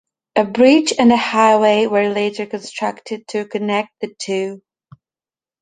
A bridge and highway were later constructed to connect the two.